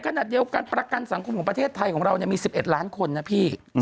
ขณะเดียวกันประกันสังคมของประเทศไทยของเรามี๑๑ล้านคนนะพี่